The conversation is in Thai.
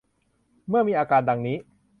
เมื่อมีอาการดังนี้